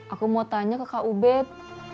aku mau tanya ke kak ubed